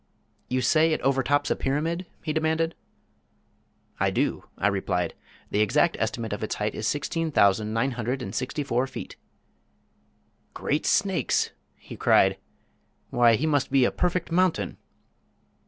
"You say it overtops a pyramid?" he demanded. "I do," I replied. "The exact estimate of its height is sixteen thousand nine hundred and sixty four feet!" "Great Snakes!" he cried. "Why, he must be a perfect mountain!"